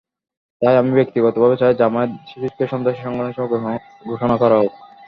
তাই আমি ব্যক্তিগতভাবে চাই, জামায়াত-শিবিরকে সন্ত্রাসী সংগঠন হিসেবে ঘোষণা করা হোক।